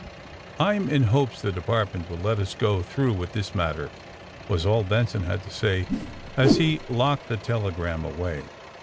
*'I'm in hopes the Department will let us go through with this matter," was all Benson had to say as he locked the telegram away.